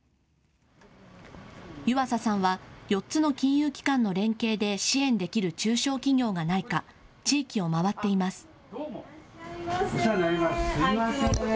湯浅さんは４つの金融機関の連携で支援できる中小企業がないか地域を回っています。